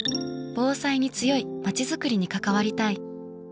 防災に強いまちづくりに関わりたい。